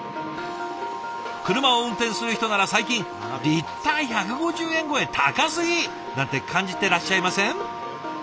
車を運転する人なら最近「リッター１５０円超え高すぎ！」なんて感じてらっしゃいません？